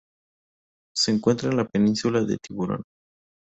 Se encuentra en la península de Tiburón.